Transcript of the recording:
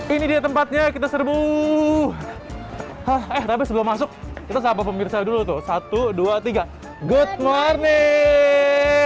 ini dia tempatnya kita serbu eh tapi sebelum masuk kita sapa pemirsa dulu tuh satu dua tiga good morning